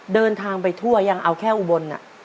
เดินทางไปทั่วยังเอาแค่อุบล